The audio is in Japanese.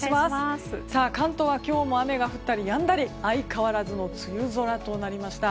関東は今日も雨が降ったりやんだり相変わらずの梅雨空となりました。